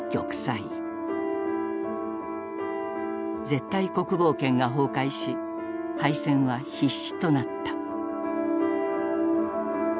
絶対国防圏が崩壊し敗戦は必至となった。